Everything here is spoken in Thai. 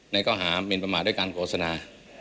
ข้อหามินประมาทด้วยการโฆษณา